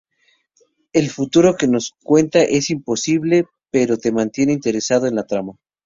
El futuro que nos cuenta es imposible, pero te mantiene interesado en la trama.